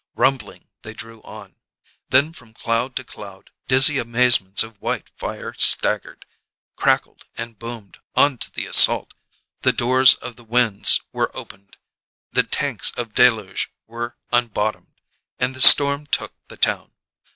Rumbling, they drew on. Then from cloud to cloud dizzy amazements of white fire staggered, crackled and boomed on to the assault; the doors of the winds were opened; the tanks of deluge were unbottomed; and the storm took the town.